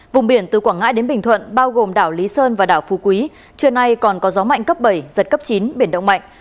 vùng biển từ quảng ngãi đến bình thuận bao gồm đảo lý sơn và đảo phú quý trưa nay còn có gió mạnh cấp bảy giật cấp chín biển động mạnh